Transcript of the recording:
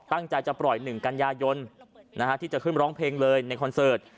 ตั้งใจจะปล่อย๑กันยายนที่จะขึ้นร้องเพลงเลยในคอนเสิร์ต